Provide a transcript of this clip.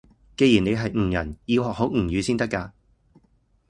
既然你係吳人，要學好吳語先得㗎